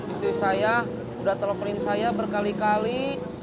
istri saya udah teleponin saya berkali kali